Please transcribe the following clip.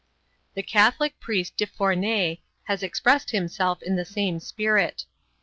The Catholic priest Defourney has expressed himself in the same spirit.